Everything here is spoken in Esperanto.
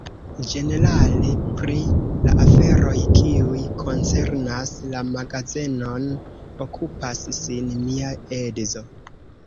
Ĝenerale pri la aferoj, kiuj koncernas la magazenon, okupas sin mia edzo.